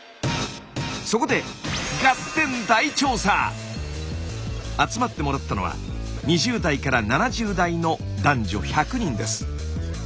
そこで集まってもらったのは２０代から７０代の男女１００人です。